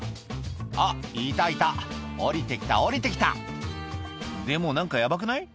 あっいたいた下りてきた下りてきたでも何かヤバくない？